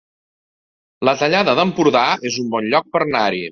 La Tallada d'Empordà es un bon lloc per anar-hi